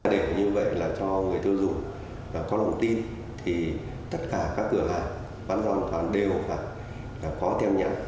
để như vậy là cho người tiêu dùng có đồng tin thì tất cả các cửa hàng bán rau an toàn đều có thêm nhắn